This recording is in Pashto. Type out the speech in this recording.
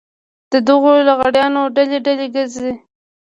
د دغو لغړیانو ډلې ډلې ګرځي.